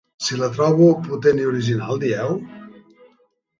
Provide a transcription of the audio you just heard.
-Si la trobo potent i original, dieu?